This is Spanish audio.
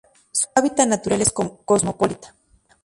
Su hábitat natural es cosmopolita.